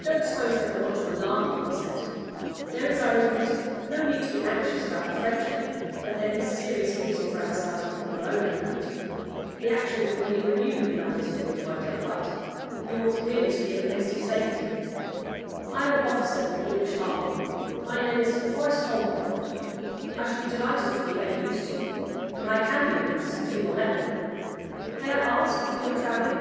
"Don't suppose that I want to alarm you," he said. "There is, I repeat, no need to be anxious about the Frenchmen, but there is serious reason for anxiety on your own account. The action will be renewed round this village by daylight; you ought really to be in a place of safety. I am an officer in the English army my name is Horace Holmcroft. I shall be delighted to be of use to you, and I can be of use, if you will let me. May I ask if you are traveling?"